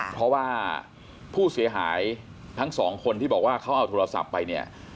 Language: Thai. เพราะว่าผู้เสียหายทั้งสองคนที่บอกว่าเขาเอาโทรศัพท์ไปเนี่ย